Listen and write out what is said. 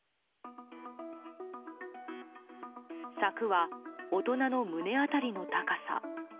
柵は大人の胸辺りの高さ。